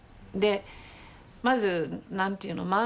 でまず何ていうの？